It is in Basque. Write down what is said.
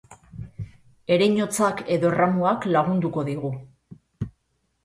Ereinotzak edo erramuak lagunduko digu.